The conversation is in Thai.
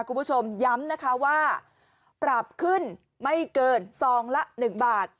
คุณผู้ชมย้ำนะคะว่าปรับขึ้นไม่เกินซองละ๑บาท